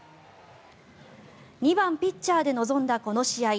２番ピッチャーで臨んだこの試合。